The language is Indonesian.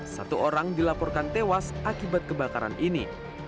satu orang dilaporkan tewas akibat kebakaran ini